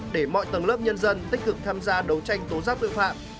để mọi tầng lớp nhân dân tích cực tham gia đấu tranh tố giác tội phạm